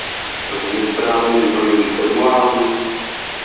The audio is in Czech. Z nesprávně vyplněných formulářů?